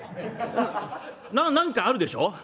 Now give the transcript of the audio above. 「な何かあるでしょ？」。